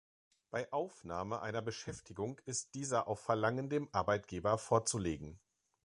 Bei Aufnahme einer Beschäftigung ist dieser auf Verlangen dem Arbeitgeber vorzulegen.